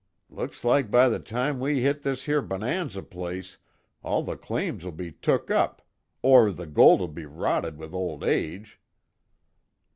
Looks like by the time we hit this here Bonanza place all the claims will be took up, or the gold'll be rotted with old age."